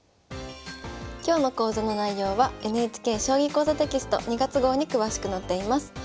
今日の講座の内容はＮＨＫ「将棋講座」テキスト２月号に詳しく載っています。